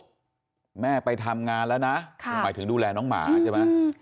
แม่ไปทำงานแล้วนะหมายถึงดูแลน้องหมาใช่ไหม